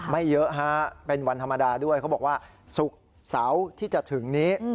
ไม่เยอะฮะเป็นวันธรรมดาด้วยเขาบอกว่าศุกร์เสาร์ที่จะถึงนี้